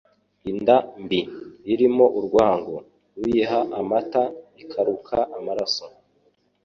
Inda mbi (irimo urwango) uyiha amata ikaruka amaroso